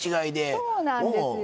そうなんですよ。